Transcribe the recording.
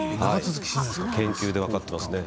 研究で分かっています。